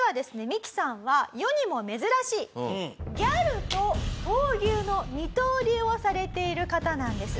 ミキさんは世にも珍しいギャルと闘牛の二刀流をされている方なんです。